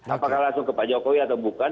apakah langsung ke pak jokowi atau bukan